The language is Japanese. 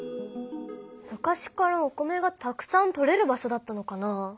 昔からお米がたくさんとれる場所だったのかな？